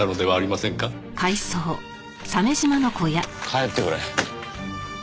帰ってくれ。